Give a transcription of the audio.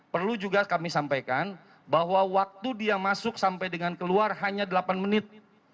perlu juga kami sampaikan bahwa waktu dia masuk sampai dengan keluar hanya delapan menit